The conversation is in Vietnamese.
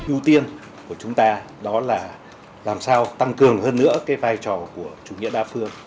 ưu tiên của chúng ta đó là làm sao tăng cường hơn nữa cái vai trò của chủ nghĩa đa phương